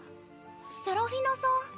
セラフィナさん。